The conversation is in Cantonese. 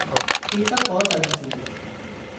記得嗰陣時